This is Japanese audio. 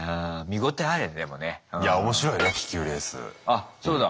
あっそうだ。